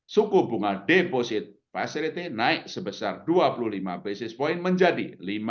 suku bunga deposit facility naik sebesar dua puluh lima basis point menjadi lima